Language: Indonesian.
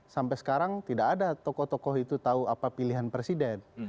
sampai sekarang tidak ada tokoh tokoh itu tahu apa pilihan presiden